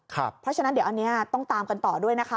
เพราะฉะนั้นเดี๋ยวอันนี้ต้องตามกันต่อด้วยนะคะ